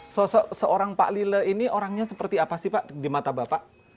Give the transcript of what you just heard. sosok seorang pak lila ini orangnya seperti apa sih pak di mata bapak